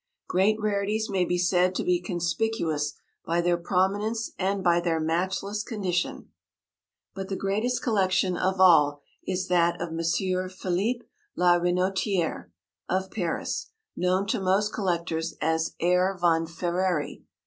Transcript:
Great rarities may be said to be conspicuous by their prominence and by their matchless condition. But the greatest collection of all is that of M. Philipp la Renotiérè, of Paris, known to most collectors as Herr von Ferrary.